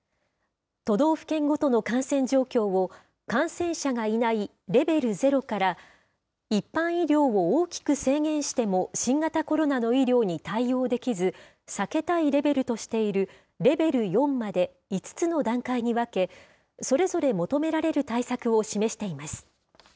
都道府県ごとの感染状況を感染者がいないレベル０から、一般医療を大きく制限しても新型コロナの医療に対応できず避けたいレベルとしているレベル４まで、５つの段階に分け、それぞれ求められる対策を示しています。